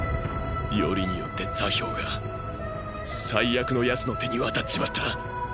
よりによって「座標」が最悪の奴の手に渡っちまった。